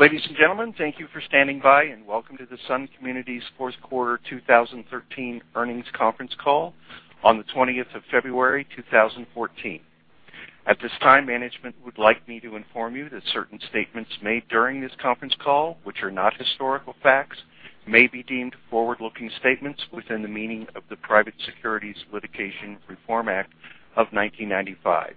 Ladies and gentlemen, thank you for standing by and welcome to the Sun Communities Fourth Quarter 2013 earnings conference call on the 20th of February, 2014. At this time, management would like me to inform you that certain statements made during this conference call, which are not historical facts, may be deemed forward-looking statements within the meaning of the Private Securities Litigation Reform Act of 1995.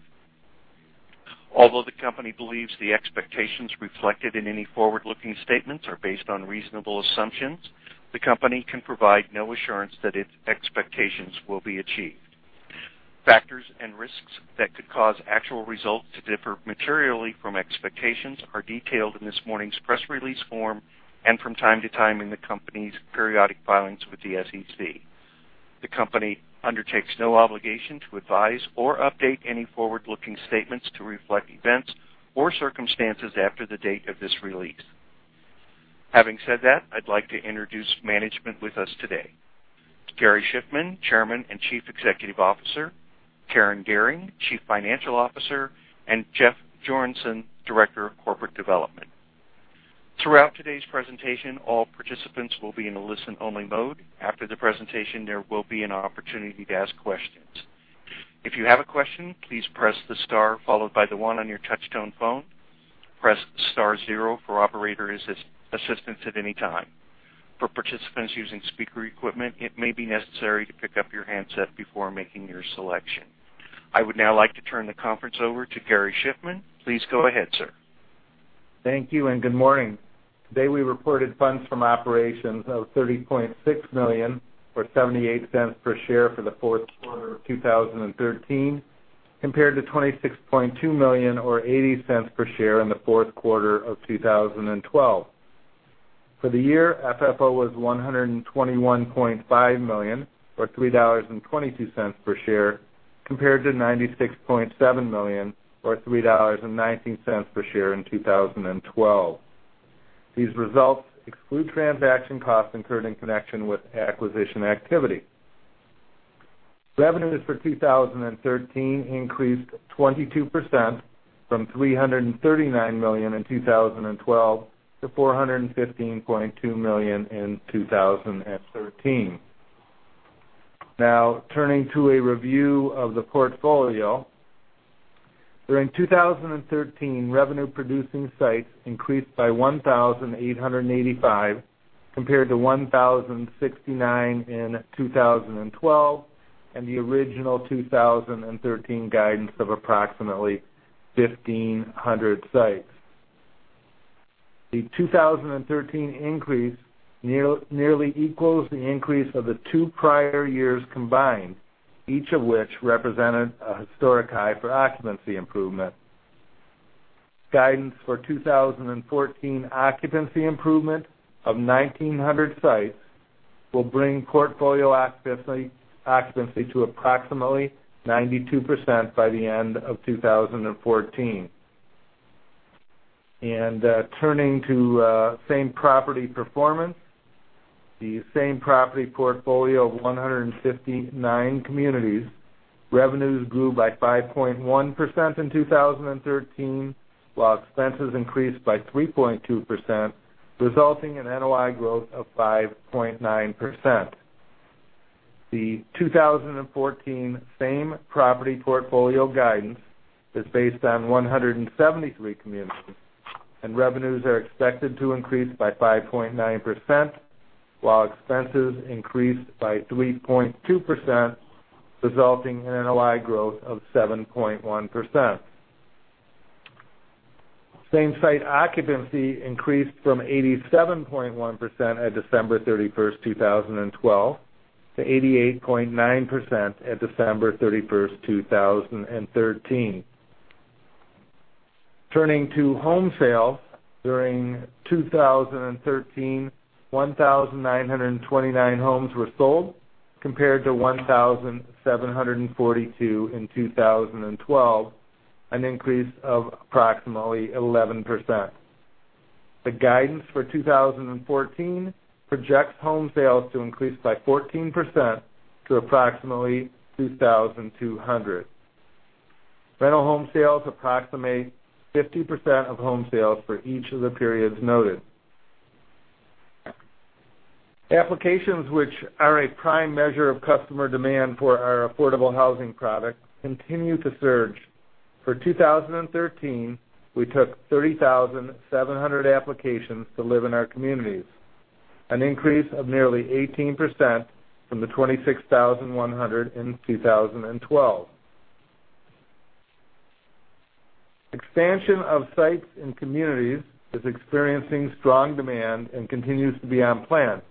Although the company believes the expectations reflected in any forward-looking statements are based on reasonable assumptions, the company can provide no assurance that its expectations will be achieved. Factors and risks that could cause actual results to differ materially from expectations are detailed in this morning's press release form and from time to time in the company's periodic filings with the SEC. The company undertakes no obligation to advise or update any forward-looking statements to reflect events or circumstances after the date of this release. Having said that, I'd like to introduce management with us today: Gary Shiffman, Chairman and Chief Executive Officer, Karen Dearing, Chief Financial Officer, and Jeffrey Jorissen, Director of Corporate Development. Throughout today's presentation, all participants will be in a listen-only mode. After the presentation, there will be an opportunity to ask questions. If you have a question, please press the star followed by the one on your touch-tone phone. Press star zero for operator assistance at any time. For participants using speaker equipment, it may be necessary to pick up your handset before making your selection. I would now like to turn the conference over to Gary Shiffman. Please go ahead, sir. Thank you and good morning. Today we reported funds from operations of $30.6 million or $0.78 per share for the fourth quarter of 2013, compared to $26.2 million or $0.80 per share in the fourth quarter of 2012. For the year, FFO was $121.5 million or $3.22 per share, compared to $96.7 million or $3.19 per share in 2012. These results exclude transaction costs incurred in connection with acquisition activity. Revenues for 2013 increased 22% from $339 million in 2012 to $415.2 million in 2013. Now, turning to a review of the portfolio, during 2013, revenue-producing sites increased by 1,885 compared to 1,069 in 2012 and the original 2013 guidance of approximately 1,500 sites. The 2013 increase nearly equals the increase of the two prior years combined, each of which represented a historic high for occupancy improvement. Guidance for 2014 occupancy improvement of 1,900 sites will bring portfolio occupancy to approximately 92% by the end of 2014. Turning to same property performance, the same property portfolio of 159 communities, revenues grew by 5.1% in 2013 while expenses increased by 3.2%, resulting in NOI growth of 5.9%. The 2014 same property portfolio guidance is based on 173 communities, and revenues are expected to increase by 5.9% while expenses increased by 3.2%, resulting in NOI growth of 7.1%. Same site occupancy increased from 87.1% at December 31, 2012, to 88.9% at December 31st, 2013. Turning to home sales, during 2013, 1,929 homes were sold compared to 1,742 in 2012, an increase of approximately 11%. The guidance for 2014 projects home sales to increase by 14% to approximately 2,200. Rental home sales approximate 50% of home sales for each of the periods noted. Applications, which are a prime measure of customer demand for our affordable housing product, continue to surge. For 2013, we took 30,700 applications to live in our communities, an increase of nearly 18% from the 26,100 in 2012. Expansion of sites and communities is experiencing strong demand and continues to be on plan.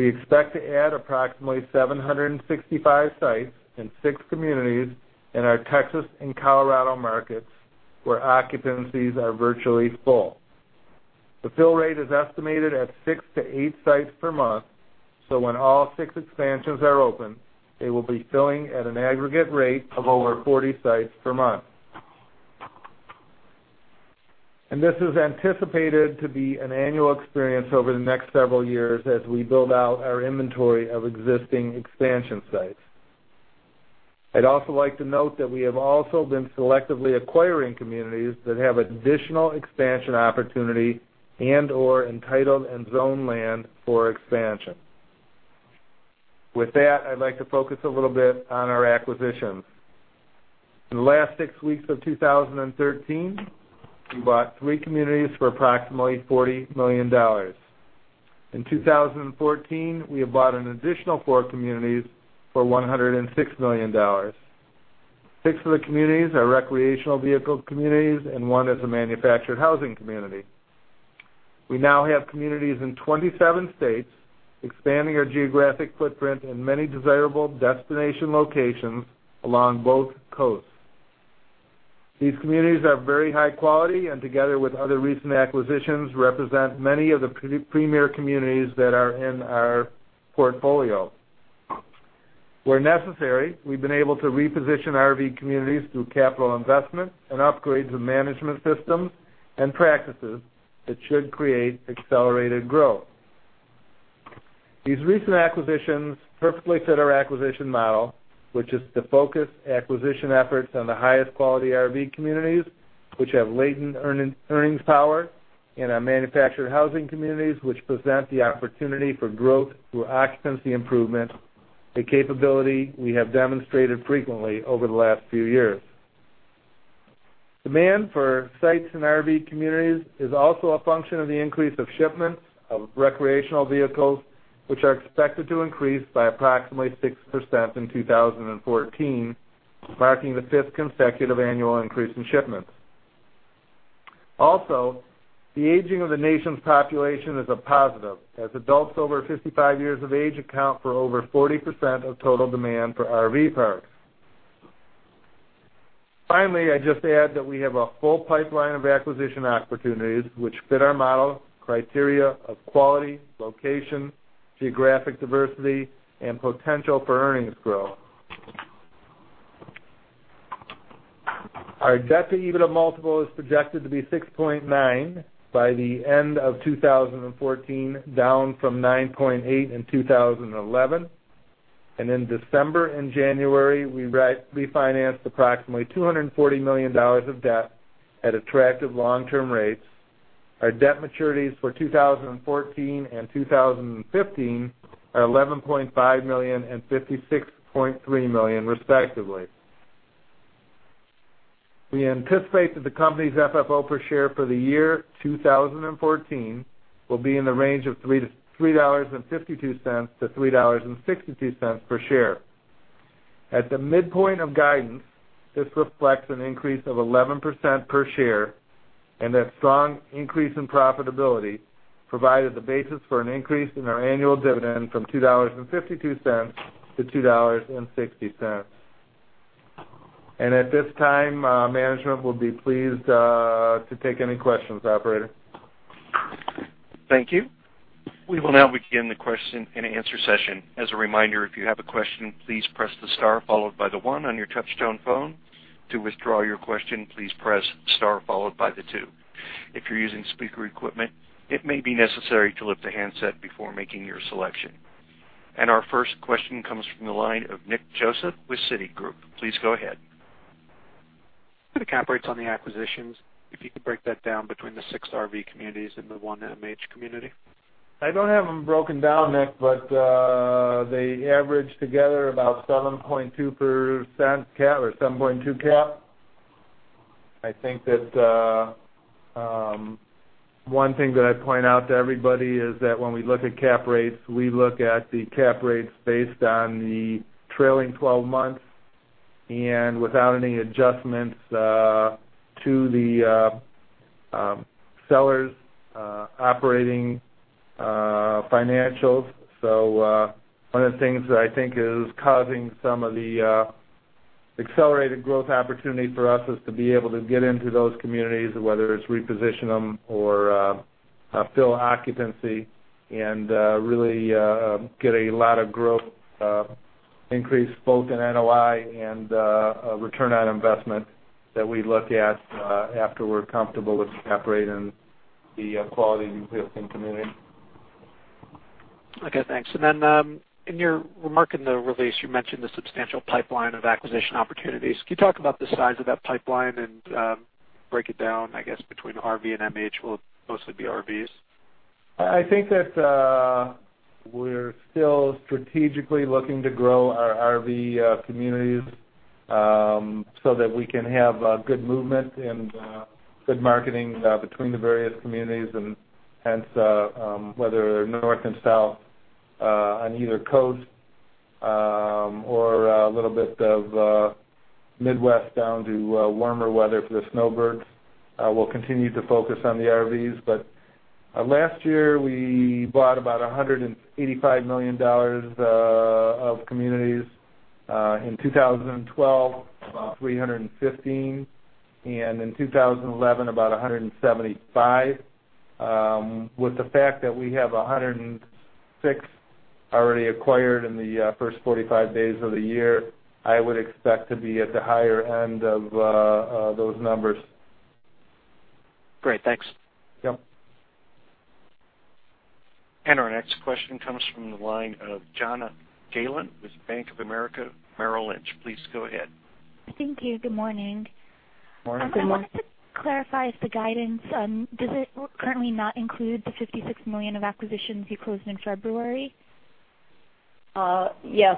We expect to add approximately 765 sites in six communities in our Texas and Colorado markets where occupancies are virtually full. The fill rate is estimated at six to eight sites per month, so when all six expansions are open, they will be filling at an aggregate rate of over 40 sites per month. This is anticipated to be an annual experience over the next several years as we build out our inventory of existing expansion sites. I'd also like to note that we have also been selectively acquiring communities that have additional expansion opportunity and/or entitled and zoned land for expansion. With that, I'd like to focus a little bit on our acquisitions. In the last six weeks of 2013, we bought three communities for approximately $40 million. In 2014, we have bought an additional four communities for $106 million. Six of the communities are recreational vehicle communities, and one is a manufactured housing community. We now have communities in 27 states expanding our geographic footprint in many desirable destination locations along both coasts. These communities are very high quality and, together with other recent acquisitions, represent many of the premier communities that are in our portfolio. Where necessary, we've been able to reposition RV communities through capital investment and upgrades of management systems and practices that should create accelerated growth. These recent acquisitions perfectly fit our acquisition model, which is to focus acquisition efforts on the highest quality RV communities, which have latent earnings power, and our manufactured housing communities, which present the opportunity for growth through occupancy improvement, a capability we have demonstrated frequently over the last few years. Demand for sites and RV communities is also a function of the increase of shipments of recreational vehicles, which are expected to increase by approximately 6% in 2014, marking the fifth consecutive annual increase in shipments. Also, the aging of the nation's population is a positive, as adults over 55 years of age account for over 40% of total demand for RV parks. Finally, I just add that we have a full pipeline of acquisition opportunities which fit our model criteria of quality, location, geographic diversity, and potential for earnings growth. Our Debt-to-EBITDA multiple is projected to be 6.9 by the end of 2014, down from 9.8 in 2011. In December and January, we refinanced approximately $240 million of debt at attractive long-term rates. Our debt maturities for 2014 and 2015 are $11.5 million and $56.3 million, respectively. We anticipate that the company's FFO per share for the year 2014 will be in the range of $3.52-$3.62 per share. At the midpoint of guidance, this reflects an increase of 11% per share and a strong increase in profitability, provided the basis for an increase in our annual dividend from $2.52-$2.60. At this time, management will be pleased to take any questions, Operator. Thank you. We will now begin the question and answer session. As a reminder, if you have a question, please press the star followed by the one on your touch-tone phone. To withdraw your question, please press star followed by the two. If you're using speaker equipment, it may be necessary to lift the handset before making your selection. Our first question comes from the line of Nick Joseph with Citigroup. Please go ahead. The cap rates on the acquisitions, if you could break that down between the six RV communities and the 1 MH community? I don't have them broken down, Nick, but they average together about 7.2% cap or 7.2 cap. I think that one thing that I'd point out to everybody is that when we look at cap rates, we look at the cap rates based on the trailing 12 months and without any adjustments to the sellers' operating financials. So one of the things that I think is causing some of the accelerated growth opportunity for us is to be able to get into those communities, whether it's reposition them or fill occupancy, and really get a lot of growth increase both in NOI and return on investment that we look at after we're comfortable with the cap rate and the quality of the existing community. Okay. Thanks. And then in your remark in the release, you mentioned the substantial pipeline of acquisition opportunities. Can you talk about the size of that pipeline and break it down, I guess, between RV and MH? Will it mostly be RVs? I think that we're still strategically looking to grow our RV communities so that we can have good movement and good marketing between the various communities and hence whether they're north and south on either coast or a little bit of Midwest down to warmer weather for the snowbirds. We'll continue to focus on the RVs, but last year we bought about $185 million of communities. In 2012, about $315 million, and in 2011, about $175 million. With the fact that we have 106 already acquired in the first 45 days of the year, I would expect to be at the higher end of those numbers. Great. Thanks. Yep. Our next question comes from the line of Jana Galan with Bank of America Merrill Lynch. Please go ahead. Thank you. Good morning. Morning. Good morning. I wanted to clarify if the guidance, does it currently not include the $56 million of acquisitions you closed in February? Yes,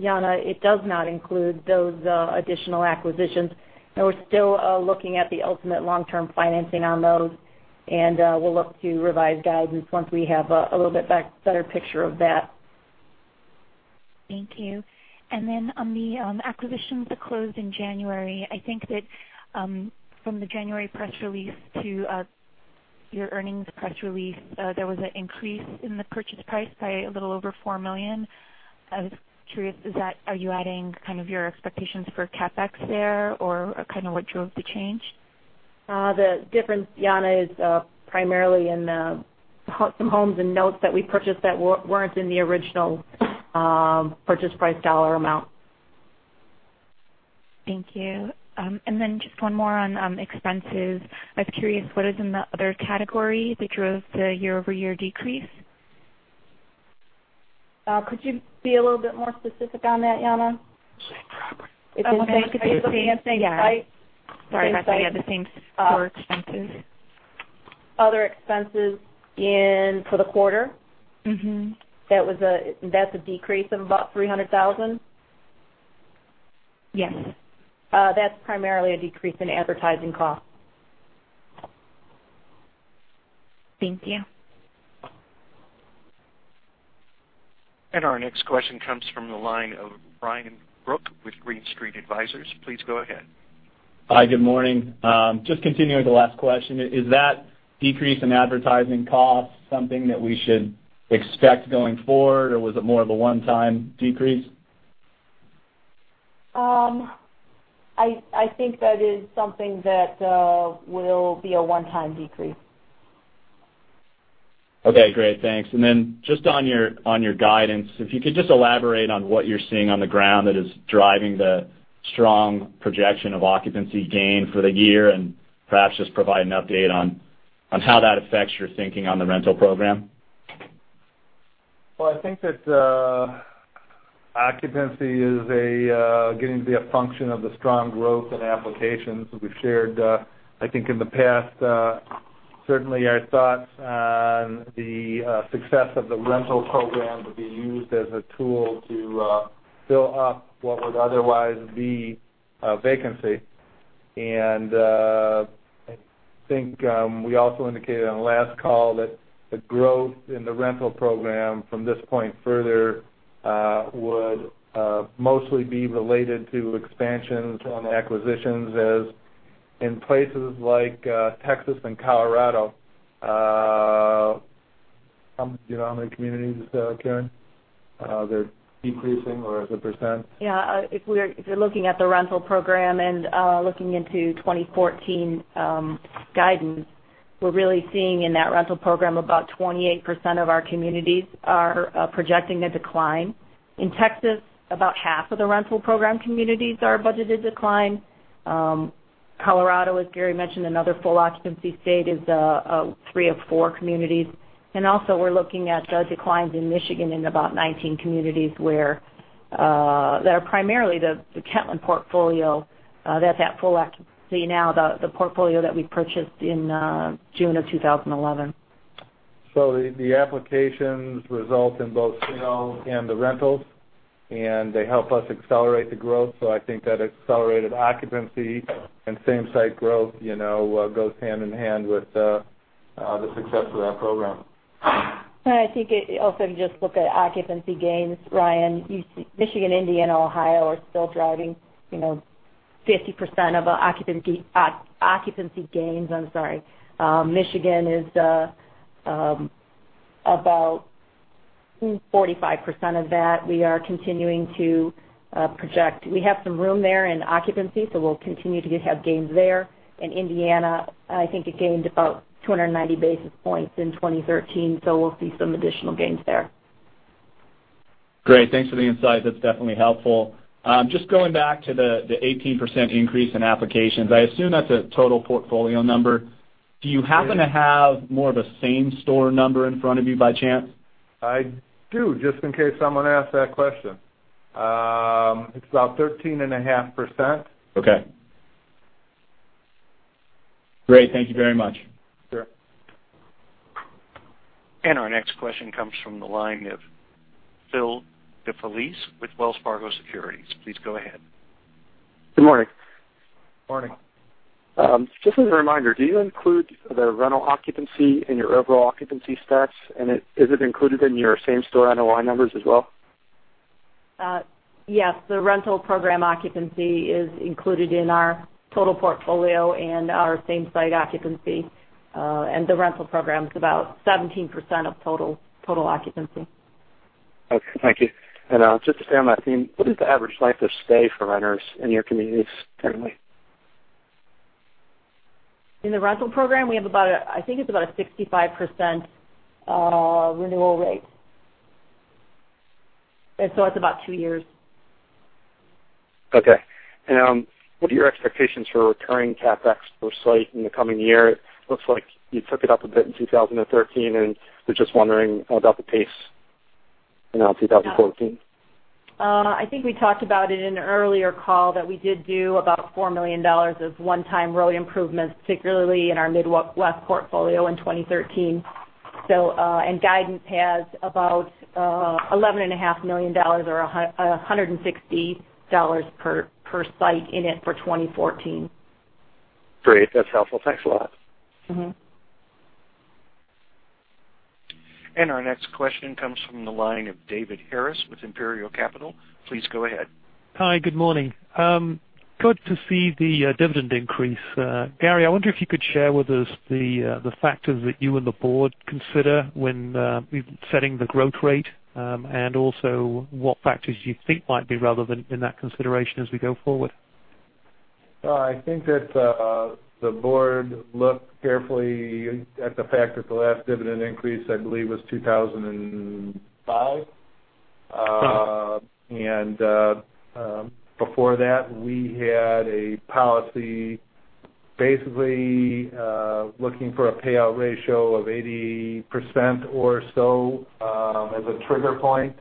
Jana, it does not include those additional acquisitions. We're still looking at the ultimate long-term financing on those, and we'll look to revise guidance once we have a little bit better picture of that. Thank you. And then on the acquisitions that closed in January, I think that from the January press release to your earnings press release, there was an increase in the purchase price by a little over $4 million. I was curious, are you adding kind of your expectations for CapEx there or kind of what drove the change? The difference, Jana, is primarily in some homes and notes that we purchased that weren't in the original purchase price dollar amount. Thank you. And then just one more on expenses. I was curious, what is in the other category that drove the year-over-year decrease? Could you be a little bit more specific on that, Jana? Same property. It's the same property. Okay. It's the same site. Sorry. Yeah. I thought you had the same four expenses. Other expenses for the quarter, that's a decrease of about $300,000. Yes. That's primarily a decrease in advertising costs. Thank you. Our next question comes from the line of Ryan Burke with Green Street Advisors. Please go ahead. Hi. Good morning. Just continuing the last question, is that decrease in advertising costs something that we should expect going forward, or was it more of a one-time decrease? I think that is something that will be a one-time decrease. Okay. Great. Thanks. And then just on your guidance, if you could just elaborate on what you're seeing on the ground that is driving the strong projection of occupancy gain for the year and perhaps just provide an update on how that affects your thinking on the rental program? Well, I think that occupancy is getting to be a function of the strong growth in applications. We've shared, I think, in the past, certainly our thoughts on the success of the rental program to be used as a tool to fill up what would otherwise be vacancy. And I think we also indicated on the last call that the growth in the rental program from this point further would mostly be related to expansions and acquisitions as in places like Texas and Colorado. How many communities, Karen? They're decreasing or as a percent? Yeah. If you're looking at the rental program and looking into 2014 guidance, we're really seeing in that rental program about 28% of our communities are projecting a decline. In Texas, about half of the rental program communities are budgeted decline. Colorado, as Gary mentioned, another full occupancy state is three of four communities. And also, we're looking at declines in Michigan in about 19 communities where they're primarily the Kentland portfolio that's at full occupancy now, the portfolio that we purchased in June of 2011. The applications result in both sales and the rentals, and they help us accelerate the growth. So I think that accelerated occupancy and same-site growth goes hand in hand with the success of that program. I think it also just look at occupancy gains. Ryan, Michigan, Indiana, Ohio are still driving 50% of occupancy gains. I'm sorry. Michigan is about 45% of that. We are continuing to project. We have some room there in occupancy, so we'll continue to have gains there. And Indiana, I think it gained about 290 basis points in 2013, so we'll see some additional gains there. Great. Thanks for the insight. That's definitely helpful. Just going back to the 18% increase in applications, I assume that's a total portfolio number. Do you happen to have more of a same-store number in front of you by chance? I do, just in case someone asked that question. It's about 13.5%. Okay. Great. Thank you very much. Sure. Our next question comes from the line of Phil DeFelice with Wells Fargo Securities. Please go ahead. Good morning. Morning. Just as a reminder, do you include the rental occupancy in your overall occupancy stats? And is it included in your same-store NOI numbers as well? Yes. The rental program occupancy is included in our total portfolio and our same-site occupancy. The rental program is about 17% of total occupancy. Okay. Thank you. Just to stay on that theme, what is the average life of stay for renters in your communities currently? In the rental program, we have about, I think it's about a 65% renewal rate. And so it's about two years. Okay. And what are your expectations for recurring CapEx per site in the coming year? It looks like you took it up a bit in 2013, and we're just wondering about the pace around 2014. I think we talked about it in an earlier call that we did do about $4 million of one-time road improvements, particularly in our Midwest portfolio in 2013. Guidance has about $11.5 million or $160 per site in it for 2014. Great. That's helpful. Thanks a lot. Our next question comes from the line of David Harris with Imperial Capital. Please go ahead. Hi. Good morning. Good to see the dividend increase. Gary, I wonder if you could share with us the factors that you and the board consider when setting the growth rate and also what factors you think might be relevant in that consideration as we go forward? I think that the board looked carefully at the fact that the last dividend increase, I believe, was 2005. Before that, we had a policy basically looking for a payout ratio of 80% or so as a trigger point.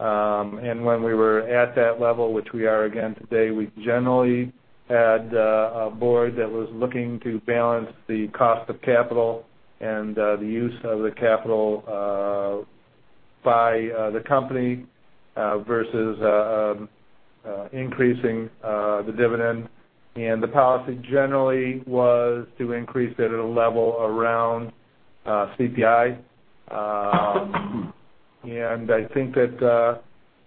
When we were at that level, which we are again today, we generally had a board that was looking to balance the cost of capital and the use of the capital by the company versus increasing the dividend. The policy generally was to increase it at a level around CPI. I think that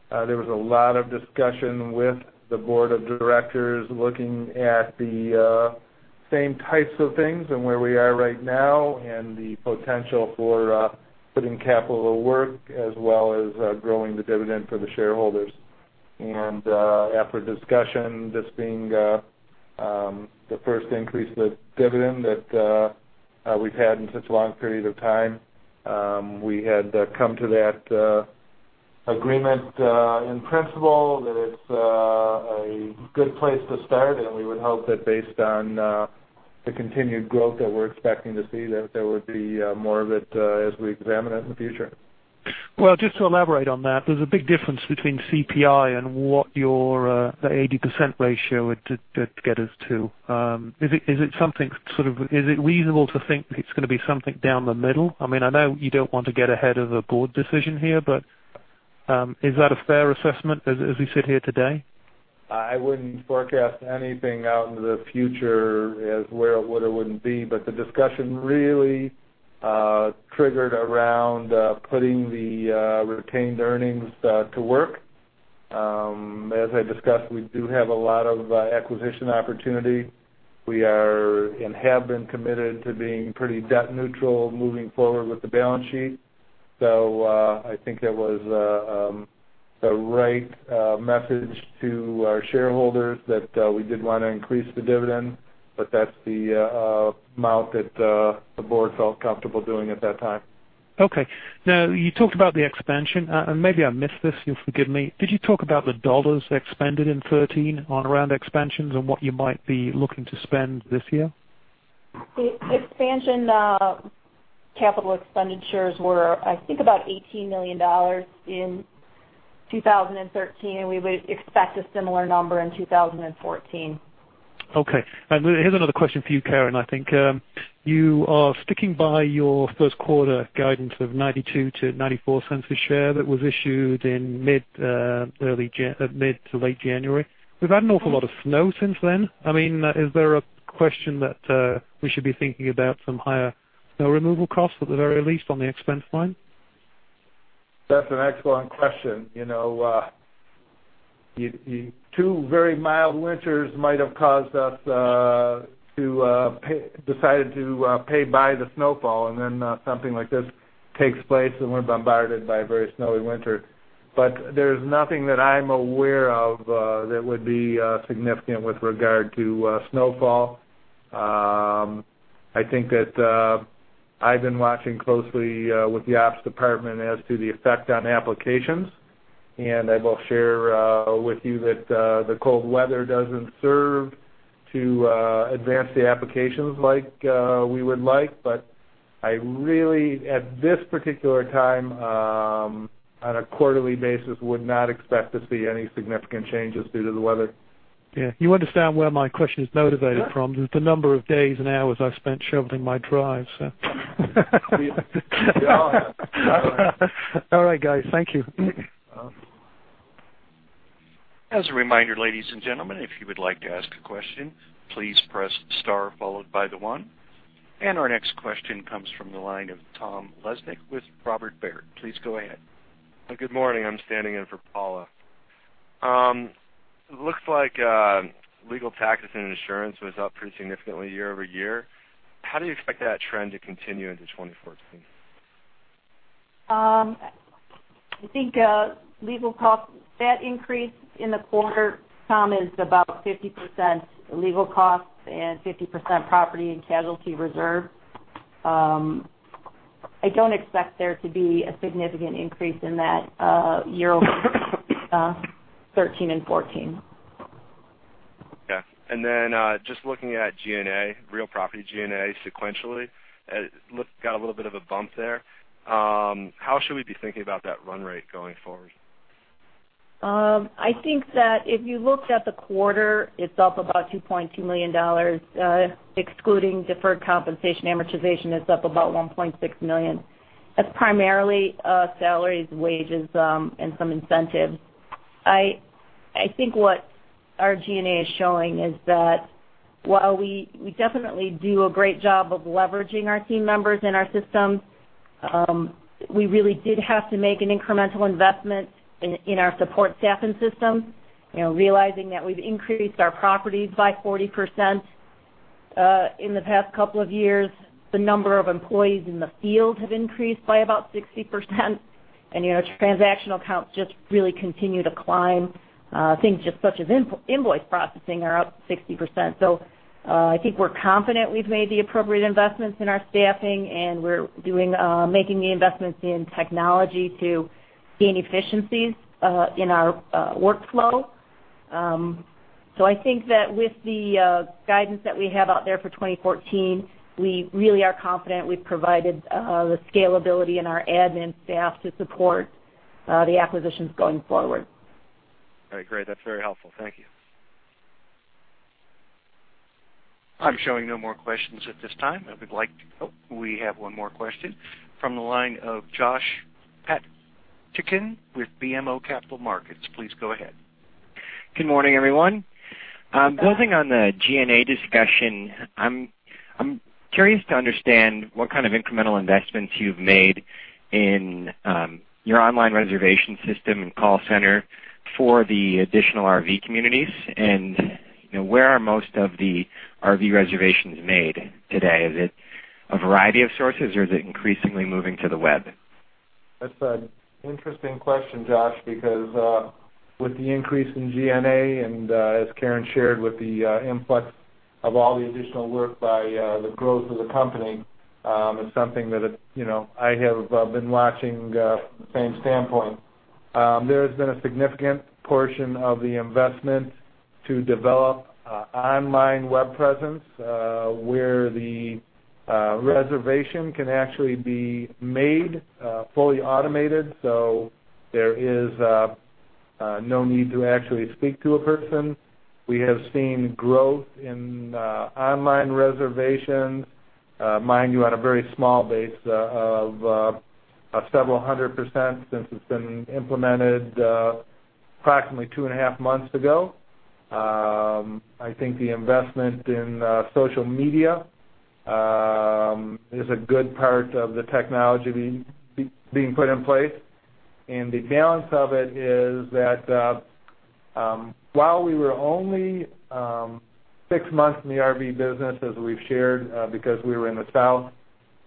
there was a lot of discussion with the board of directors looking at the same types of things and where we are right now and the potential for putting capital to work as well as growing the dividend for the shareholders. After discussion, this being the first increase of dividend that we've had in such a long period of time, we had come to that agreement in principle that it's a good place to start, and we would hope that based on the continued growth that we're expecting to see, that there would be more of it as we examine it in the future. Well, just to elaborate on that, there's a big difference between CPI and what the 80% ratio would get us to. Is it something sort of is it reasonable to think it's going to be something down the middle? I mean, I know you don't want to get ahead of a board decision here, but is that a fair assessment as we sit here today? I wouldn't forecast anything out into the future as where it would or wouldn't be, but the discussion really triggered around putting the retained earnings to work. As I discussed, we do have a lot of acquisition opportunity. We have been committed to being pretty debt neutral moving forward with the balance sheet. I think it was the right message to our shareholders that we did want to increase the dividend, but that's the amount that the board felt comfortable doing at that time. Okay. Now, you talked about the expansion. Maybe I missed this. You'll forgive me. Did you talk about the dollars expended in 2013 on around expansions and what you might be looking to spend this year? Expansion capital expenditures were, I think, about $18 million in 2013. We would expect a similar number in 2014. Okay. And here's another question for you, Karen. I think you are sticking by your first quarter guidance of $0.92-$0.94 per share that was issued in mid to late January. We've had an awful lot of snow since then. I mean, is there a question that we should be thinking about some higher snow removal costs at the very least on the expense line? That's an excellent question. Two very mild winters might have caused us to decide to pay by the snowfall, and then something like this takes place and we're bombarded by a very snowy winter. But there's nothing that I'm aware of that would be significant with regard to snowfall. I think that I've been watching closely with the ops department as to the effect on applications. And I will share with you that the cold weather doesn't serve to advance the applications like we would like, but I really, at this particular time, on a quarterly basis, would not expect to see any significant changes due to the weather. Yeah. You understand where my question is motivated from, the number of days and hours I've spent shoveling my drive, so. Yeah. I'll ask. All right, guys. Thank you. As a reminder, ladies and gentlemen, if you would like to ask a question, please press star followed by the one. Our next question comes from the line of Tom Lesnick with Robert Baird. Please go ahead. Good morning. I'm standing in for Paula. It looks like legal taxes and insurance went up pretty significantly year-over-year. How do you expect that trend to continue into 2014? I think legal costs, that increase in the quarter, Tom, is about 50% legal costs and 50% property and casualty reserve. I don't expect there to be a significant increase in that year over 2013 and 2014. Okay. And then just looking at G&A, real property G&A sequentially, it got a little bit of a bump there. How should we be thinking about that run rate going forward? I think that if you looked at the quarter, it's up about $2.2 million. Excluding deferred compensation, amortization, it's up about $1.6 million. That's primarily salaries, wages, and some incentives. I think what our G&A is showing is that while we definitely do a great job of leveraging our team members and our systems, we really did have to make an incremental investment in our support staff and system. Realizing that we've increased our properties by 40% in the past couple of years, the number of employees in the field have increased by about 60%. And transactional accounts just really continue to climb. Things just such as invoice processing are up 60%. So I think we're confident we've made the appropriate investments in our staffing, and we're making the investments in technology to gain efficiencies in our workflow. I think that with the guidance that we have out there for 2014, we really are confident we've provided the scalability in our admin staff to support the acquisitions going forward. All right. Great. That's very helpful. Thank you. I'm showing no more questions at this time. If we'd like to, oh, we have one more question from the line of Joshua Plasket with BMO Capital Markets. Please go ahead. Good morning, everyone. Building on the G&A discussion, I'm curious to understand what kind of incremental investments you've made in your online reservation system and call center for the additional RV communities. Where are most of the RV reservations made today? Is it a variety of sources, or is it increasingly moving to the web? That's an interesting question, Josh, because with the increase in G&A and, as Karen shared, with the influx of all the additional work by the growth of the company, it's something that I have been watching from the same standpoint. There has been a significant portion of the investment to develop online web presence where the reservation can actually be made fully automated, so there is no need to actually speak to a person. We have seen growth in online reservations, mind you, on a very small base of several hundred% since it's been implemented approximately two and a half months ago. I think the investment in social media is a good part of the technology being put in place. The balance of it is that while we were only six months in the RV business, as we've shared, because we were in the south,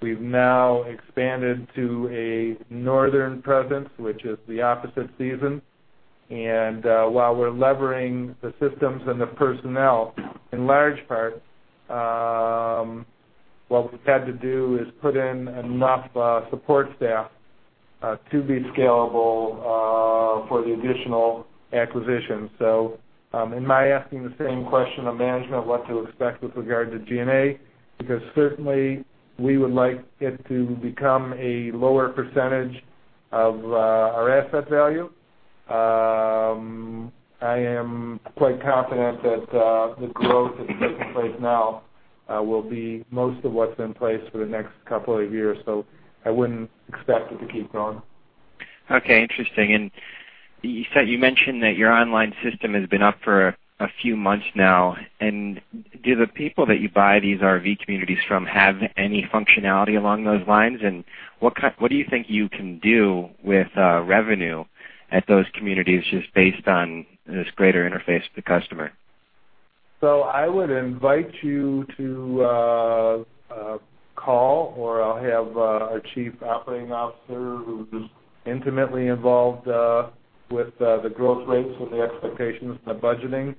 we've now expanded to a northern presence, which is the opposite season. While we're levering the systems and the personnel, in large part, what we've had to do is put in enough support staff to be scalable for the additional acquisitions. So, am I asking the same question of management, what to expect with regard to G&A? Because certainly, we would like it to become a lower percentage of our asset value. I am quite confident that the growth that's taking place now will be most of what's in place for the next couple of years. So I wouldn't expect it to keep going. Okay. Interesting. You mentioned that your online system has been up for a few months now. Do the people that you buy these RV communities from have any functionality along those lines? What do you think you can do with revenue at those communities just based on this greater interface with the customer? So I would invite you to call, or I'll have our Chief Operating Officer who's intimately involved with the growth rates and the expectations and the budgeting.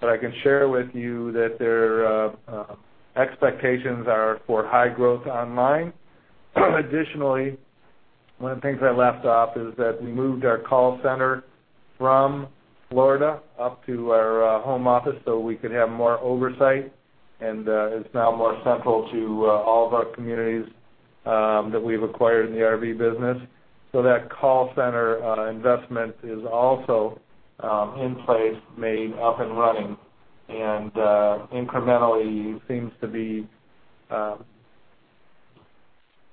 But I can share with you that their expectations are for high growth online. Additionally, one of the things I left off is that we moved our call center from Florida up to our home office so we could have more oversight, and it's now more central to all of our communities that we've acquired in the RV business. So that call center investment is also in place, up and running, and incrementally seems to be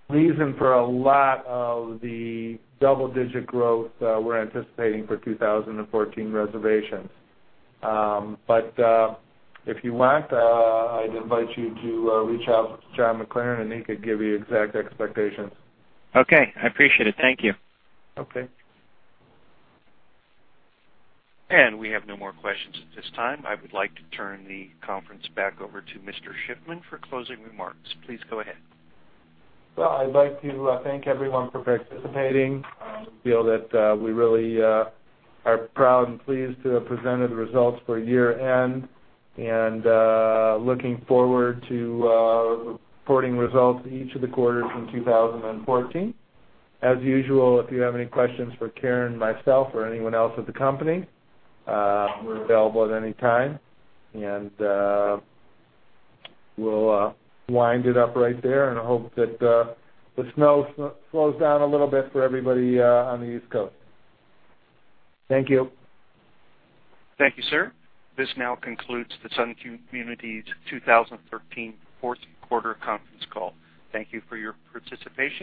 reason for a lot of the double-digit growth we're anticipating for 2014 reservations. But if you want, I'd invite you to reach out to John McLaren, and he could give you exact expectations. Okay. I appreciate it. Thank you. Okay. We have no more questions at this time. I would like to turn the conference back over to Mr. Shiffman for closing remarks. Please go ahead. Well, I'd like to thank everyone for participating. I feel that we really are proud and pleased to have presented the results for year-end and looking forward to reporting results each of the quarters in 2014. As usual, if you have any questions for Karen, myself, or anyone else at the company, we're available at any time. We'll wind it up right there, and I hope that the snow slows down a little bit for everybody on the East Coast. Thank you. Thank you, sir. This now concludes the Sun Communities' 2013 fourth quarter conference call. Thank you for your participation.